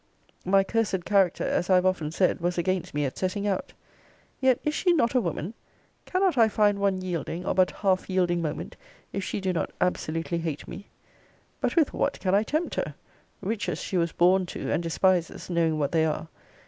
My cursed character, as I have often said, was against me at setting out Yet is she not a woman? Cannot I find one yielding or but half yielding moment, if she do not absolutely hate me? But with what can I tempt her? RICHES she was born to, and despises, knowing what they are.